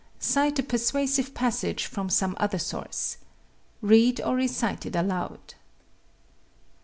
Cite a persuasive passage from some other source. Read or recite it aloud.